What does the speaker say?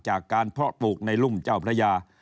จากการเพาะปลูกในรุ่มเจ้าพระยา